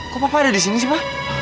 kok papa ada di sini sih pak